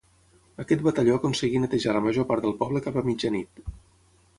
Aquest batalló aconseguí netejar la major part del poble cap a mitjanit.